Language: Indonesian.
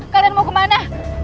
kalian mau kemana